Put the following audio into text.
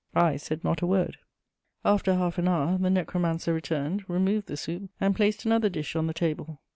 I said not a word. After half an hour, the necromancer returned, removed the soup, and placed another dish on the table.